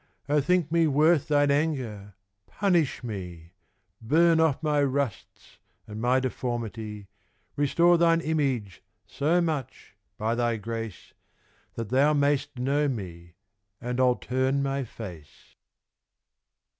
O thinke mee worth thine anger, punish mee. Burne off my rusts, and my deformity, Restore thine Image, so much, by thy grace, That thou may'st know mee, and I'll turne my face.